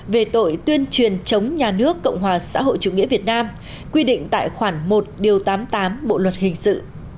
về tội tuyên truyền chống nhà nước cộng hòa xã hội chủ nghĩa việt nam quy định tại khoản một điều tám mươi tám bộ luật hình sự